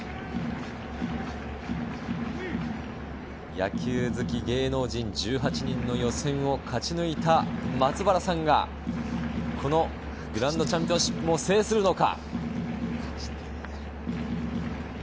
野球好き芸能人、１８人の予選を勝ち抜いた松原さんが、このグランドチャンピオンシップを制するのか。